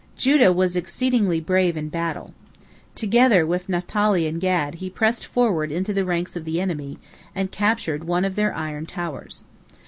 Judah was exceedingly brave in battle. Together with Naphtali and Gad he pressed forward into the ranks of the enemy, and captured one of their iron towers.